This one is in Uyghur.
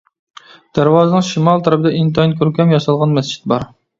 دەرۋازىنىڭ شىمال تەرىپىدە ئىنتايىن كۆركەم ياسالغان مەسچىت بار.